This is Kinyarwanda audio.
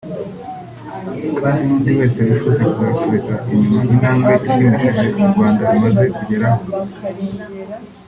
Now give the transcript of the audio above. Kandi n’undi wese wifuza kuzasubiza inyuma intambwe ishimishije u Rwanda rumaze kugeraho